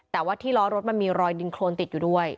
แต่ว่าที่ล้อรถมันมีรอยดินโครนติดอยู่ด้วย